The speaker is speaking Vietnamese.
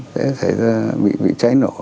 dễ xảy ra bị cháy nổ